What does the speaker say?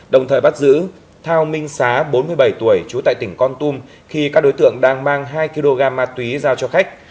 đồng thời bắt giữ thao minh sá bốn mươi bảy tuổi trú tại tỉnh con tum khi các đối tượng đang mang hai kg ma túy giao cho khách